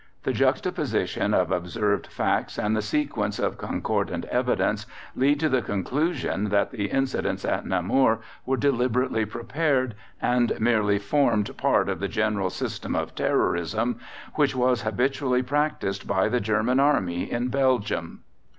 The juxtaposition of observed facts and the sequence of concordant evidence lead to the conclusion that the incidents at Namur were deliberately prepared, and merely formed part of the general system of terrorism which was habitually practised by the German Army in Belgium.